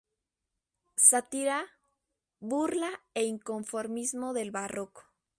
Sátira, burla e inconformismo del barroco.